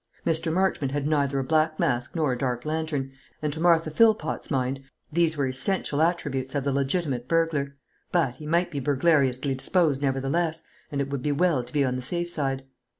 Mr. Marchmont had neither a black mask nor a dark lantern, and to Martha Philpot's mind these were essential attributes of the legitimate burglar; but he might be burglariously disposed, nevertheless, and it would be well to be on the safe side.